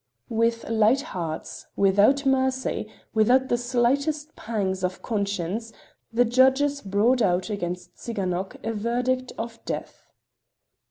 With light hearts, without mercy, without the slightest pangs of conscience, the judges brought out against Tsiganok a verdict of death.